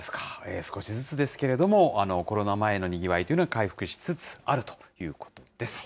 少しずつですけれども、コロナ前のにぎわいというのが回復しつつあるということです。